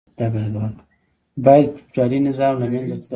باید فیوډالي نظام له منځه تللی وای.